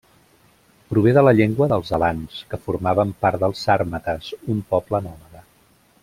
Prové de la llengua dels alans, que formaven part dels sàrmates, un poble nòmada.